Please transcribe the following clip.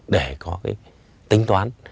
để có cái tính toán